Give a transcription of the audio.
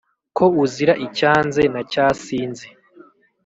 Ko uzira icyanze na cya sinzi,